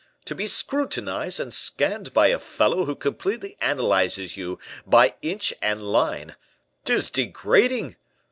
To be scrutinized and scanned by a fellow who completely analyzes you, by inch and line 'tis degrading!